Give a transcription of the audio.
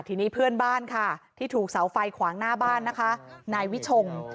ทีนี้เพื่อนบ้านค่ะที่ถูกเสาไฟขวางหน้าบ้านนะคะนายวิชง